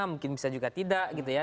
mungkin bisa juga tidak gitu ya